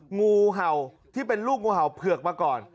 งูเห่าที่เป็นลูกงูเห่าเผือกมาก่อน